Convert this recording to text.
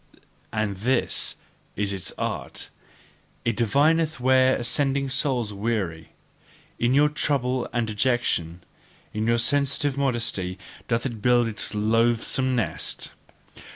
And THIS is its art: it divineth where ascending souls are weary, in your trouble and dejection, in your sensitive modesty, doth it build its loathsome nest.